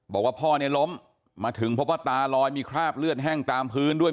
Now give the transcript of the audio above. บอกว่าพ่อเนี่ยล้มมาถึงพบว่าตาลอยมีคราบเลือดแห้งตามพื้นด้วย